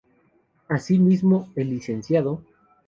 Asimismo, el Lic.